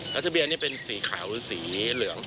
แล้วทะเบียนนี่เป็นสีขาวหรือสีเหลือง